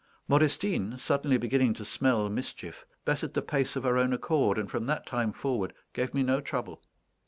Modestine, suddenly beginning to smell mischief, bettered the pace of her own accord, and from that time forward gave me no trouble.